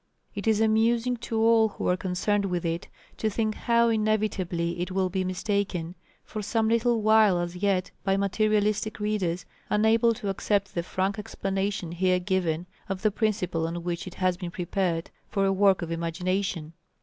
It is amusing to all who are concerned with it, to think how inevitably it will be mistaken for some little while as yet, by materialistic readers, unable to accept the frank explanation here given of the principle on which it has been prepared for a work of imagination.